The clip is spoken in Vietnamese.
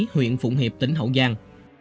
huyện phụng hiệp tỉnh hậu giang